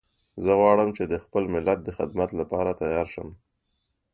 زه غواړم چې د خپل ملت د خدمت لپاره تیار شم